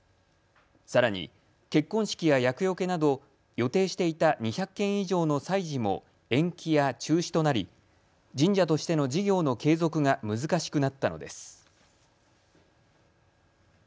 さらに結婚式や厄よけなど予定していた２００件以上の祭事も延期や中止となり神社としての事業の継続が難しくなったのです。